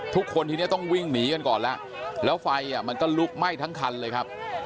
ทุกคนทีนี้ต้องวิ่งหนีกันก่อนแล้วแล้วไฟมันก็ลุกไหม้ทั้งคันเลยครับ